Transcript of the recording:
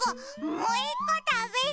もういっこたべる！